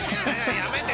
やめて。